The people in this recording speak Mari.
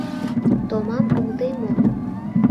— Томам улде мо...